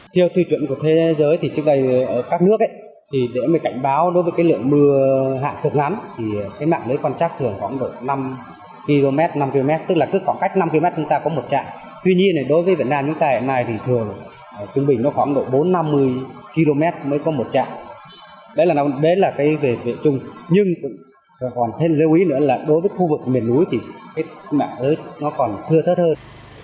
nhưng còn thêm lưu ý nữa là đối với khu vực miền núi thì mạng ớt nó còn thưa thất hơn